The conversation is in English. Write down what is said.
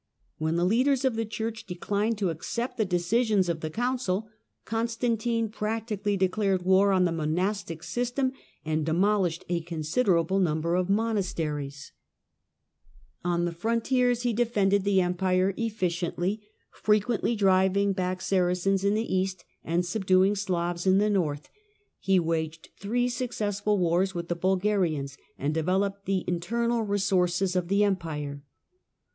When the leaders of de Church declined to accept the decisions of the ouncil, Constantine practically declared war on the lonastic system and demolished a considerable number f monasteries. 140 THE DAWN OF MEDIEVAL EUROPE On the frontiers he defended the Empire efficiently, frequently driving back Saracens in the east and sub duing Slavs in the north. He waged three successful wars with the Bulgarians and developed the internal resources of the Empire. Leo iv.